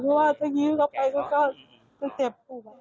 เพราะว่าจะยืนเข้าไปก็เจ็บ